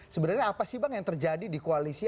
sebenarnya apa sih bang yang terjadi di koalisi